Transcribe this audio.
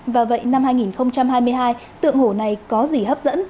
và vậy năm hai nghìn hai mươi hai tượng hổ này có gì hấp dẫn